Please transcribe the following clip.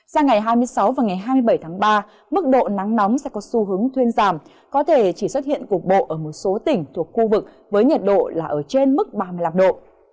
sang ngày hai mươi sáu và ngày hai mươi bảy tháng ba mức độ nắng nóng sẽ có xu hướng thuyên giảm có thể chỉ xuất hiện cục bộ ở một số tỉnh thuộc khu vực với nhiệt độ là ở trên mức ba mươi năm độ